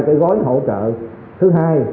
cái gói hỗ trợ thứ hai